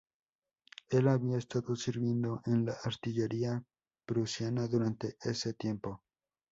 Él había estado sirviendo en la artillería prusiana durante ese tiempo.